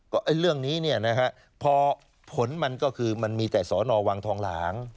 ก็เรื่องนี้เนี่ยนะฮะพอผลมันก็คือมันมีแต่สอนอวังทองหลาง